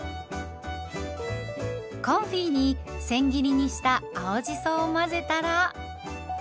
コンフィにせん切りにした青じそを混ぜたら。